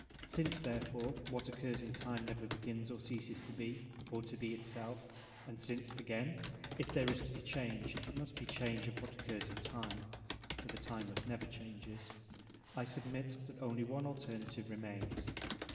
Since, therefore, what occurs in time never begins or ceases to be, or to be itself, and since, again, if there is to be change it must be change of what occurs in time (for the timeless never changes), I submit that only one alternative remains.